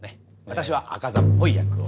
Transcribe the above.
私は猗窩座っぽい役を。